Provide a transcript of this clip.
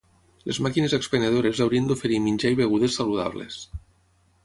Les màquines expenedores haurien d'oferir menjar i begudes saludables.